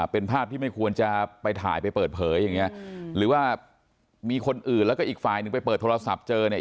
เป็นภาพที่ไม่ควรจะไปถ่ายไปเปิดเผยอย่างเงี้ยหรือว่ามีคนอื่นแล้วก็อีกฝ่ายหนึ่งไปเปิดโทรศัพท์เจอเนี่ย